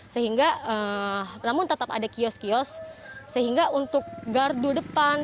sehingga namun tetap ada kios kios sehingga untuk gardu depan